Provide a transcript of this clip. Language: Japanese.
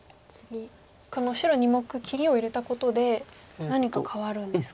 この白２目切りを入れたことで何か変わるんですか？